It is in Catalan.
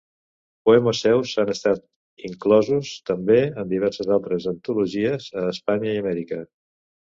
Poemes seus han estat inclosos també en diverses altres antologies, a Espanya i Amèrica.